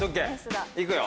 いくよ。